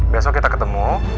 besok kita ketemu